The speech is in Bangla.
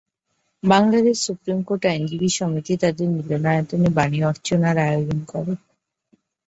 বাংলাদেশ সুপ্রিম কোর্ট আইনজীবী সমিতি তাদের মিলনায়তনে বাণী অর্চনার আয়োজন করে।